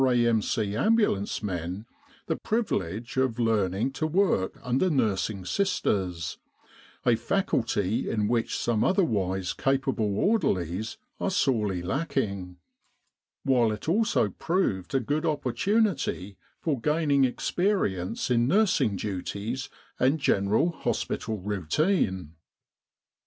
A.M.C. ambulance men the privilege of learning to work under Nursing Sisters a faculty in which some otherwise capable orderlies are sorely lacking while it also proved a good oppor tunity for gaining experience in nursing duties and general hospital routine.